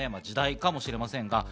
時代かもしれません。